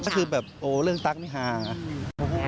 นั่นคือแบบโอเรื่องตั๊กไม่พร้าะ